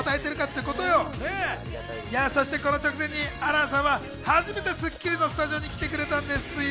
この直前に亜嵐さんは初めて『スッキリ』のスタジオに来てくれたんですよ。